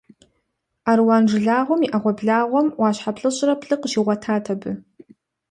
Аруан жылагъуэм и Ӏэгъуэблагъэм Ӏуащхьэ плӏыщӏрэ плӏырэ къыщигъуэтат абы.